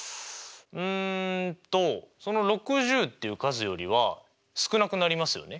うんとその６０っていう数よりは少なくなりますよね。